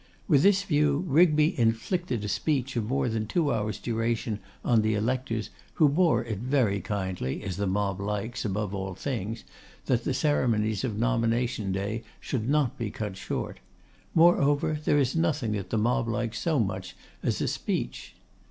With this view, Rigby inflicted a speech of more than two hours' duration on the electors, who bore it very kindly, as the mob likes, above all things, that the ceremonies of nomination day should not be cut short: moreover, there is nothing that the mob likes so much as a speech.